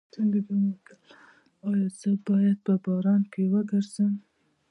ایا زه باید په باران کې وګرځم؟